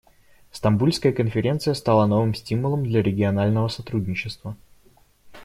Стамбульская конференция стала новым стимулом для регионального сотрудничества.